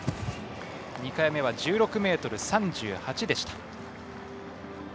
２回目は１６ｍ３８でした。